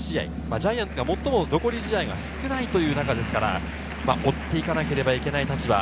ジャイアンツが最も残り試合が少ないという中ですから、追っていかなければいけない立場。